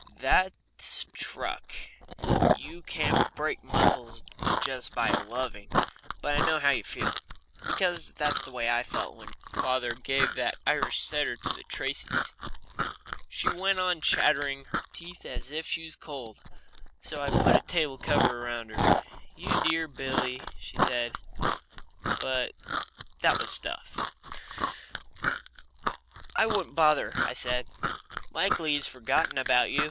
"That's truck. You can't break muscles just by loving. But I know how you feel, because that's the way I felt when father gave that Irish setter to the Tracys." She went on chattering her teeth as if she was cold, so I put the table cover around her. "You dear Billy," she said. But that was stuff. "I wouldn't bother," I said. "Likely he's forgotten about you.